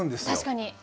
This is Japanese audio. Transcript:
確かに。